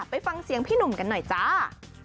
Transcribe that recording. ไปฟังเสียงพี่หนุ่มกันหน่อยจ้า